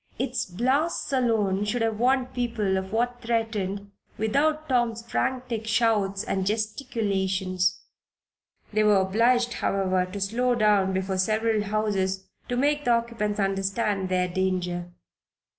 Its blasts alone should have warned people of what threatened, without Tom's frantic shouts and gesticulations. They were obliged, however, to slow down before several houses to make the occupants understand their danger.